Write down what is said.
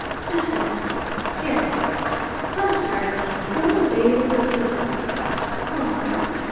"Stephen!" "Yes." "I'm tired of you. Go and bathe in the sea." "All right."